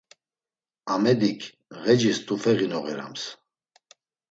Amedik ğecis t̆ufeği noğirams.